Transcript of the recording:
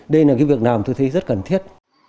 đây là cái việc làm tôi thấy rất cần thiết